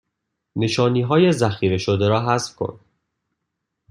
نشانی های ذخیره شده را حذف کن